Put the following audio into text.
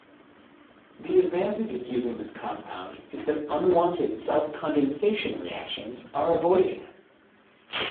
The advantage of using this compound is that unwanted self-condensation reactions are avoided.